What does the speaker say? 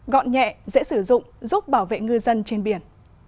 gọn nhẹ dễ sử dụng giúp bảo vệ ngư dân trên biển